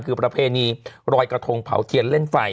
คือประเพณีรอยกระทงเผาเทียนเล่นไฟ